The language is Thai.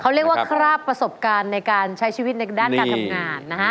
เขาเรียกว่าคราบประสบการณ์ในการใช้ชีวิตในด้านการทำงานนะฮะ